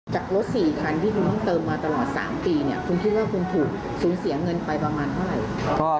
จากรถ๔คันที่คุณต้องเติมมาตลอด๓ปีเนี่ยคุณคิดว่าคุณถูกสูญเสียเงินไปประมาณเท่าไหร่